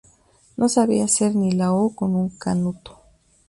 No sabía hacer ni la O con un canuto